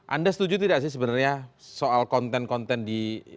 anda setuju tidak sih sebenarnya soal konten konten di